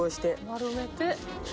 丸めて。